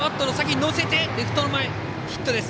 レフト前ヒットです。